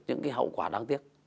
những hậu quả đáng tiếc